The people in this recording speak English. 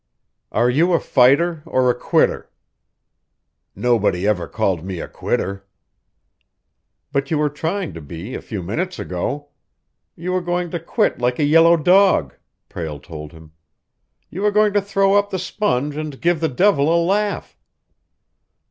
"Are you a fighter, or a quitter?" "Nobody ever called me a quitter." "But you were trying to be a few minutes ago. You were going to quit like a yellow dog!" Prale told him. "You were going to throw up the sponge and give the devil a laugh."